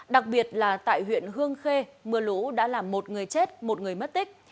đặc biệt là tại huyện hương khê mưa lũ đã làm một người chết một người mất tích